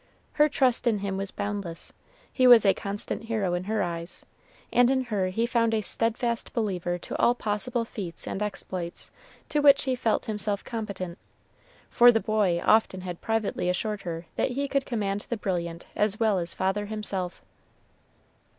Her trust in him was boundless. He was a constant hero in her eyes, and in her he found a steadfast believer as to all possible feats and exploits to which he felt himself competent, for the boy often had privately assured her that he could command the Brilliant as well as father himself.